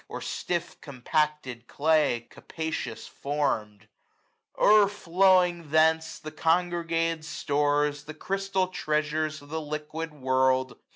Or stiflf compacted clay, capacious form'd* ' 820 O'erflowing thence, the congregated stores. The crystal treasures of the liquid world.